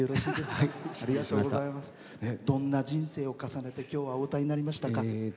どんな人生を重ねてきょうはお歌いになりましたか？